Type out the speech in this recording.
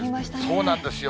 そうなんですよ。